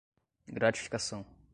gratificação